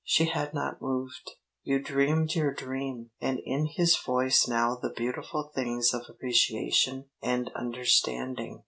She had not moved. "You dreamed your dream," and in his voice now the beautiful things of appreciation and understanding.